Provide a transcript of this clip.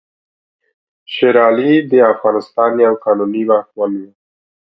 شېر علي د افغانستان یو قانوني واکمن وو.